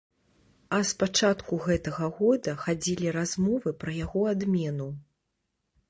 А з пачатку гэтага года хадзілі размовы пра яго адмену.